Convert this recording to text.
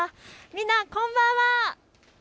みんな、こんばんは。